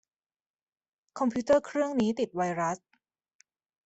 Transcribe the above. คอมพิวเตอร์เครื่องนี้ติดไวรัส